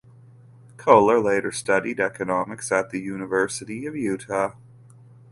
Kohler later studied economics at the University of Utah.